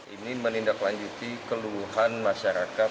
ini menindaklanjuti keluhan masyarakat